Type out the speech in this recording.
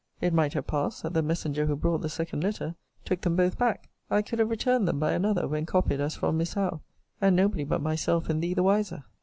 It might have passed, that the messenger who brought the second letter, took them both back. I could have returned them by another, when copied, as from Miss Howe, and nobody but myself and thee the wiser.